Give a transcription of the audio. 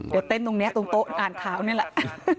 เดี๋ยวเต้นตรงนี้ตรงโต๊ะอ่านข่าวนี่แหละ